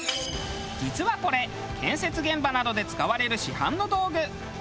実はこれ建設現場などで使われる市販の道具。